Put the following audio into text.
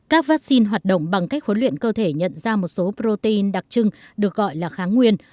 các vaccine hoạt động bằng cách huấn luyện cơ thể nhận ra một số protein đặc trưng được gọi là kháng nguyên